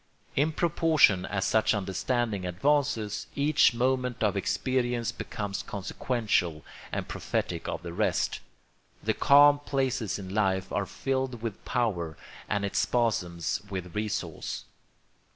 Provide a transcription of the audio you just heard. In proportion as such understanding advances each moment of experience becomes consequential and prophetic of the rest. The calm places in life are filled with power and its spasms with resource.